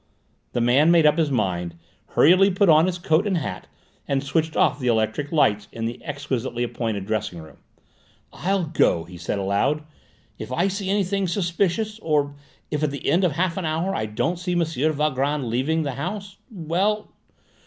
The man made up his mind, hurriedly put on his coat and hat, and switched off the electric lights in the exquisitely appointed dressing room. "I'll go!" he said aloud. "If I see anything suspicious, or if at the end of half an hour I don't see M. Valgrand leaving the house well!"